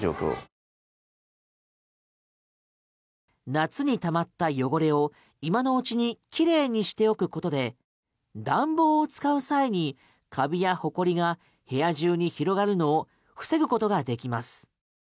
夏にたまった汚れを今のうちに綺麗にしておくことで暖房を使う際に、かびやホコリが部屋中に広がるのを防ぐことができます。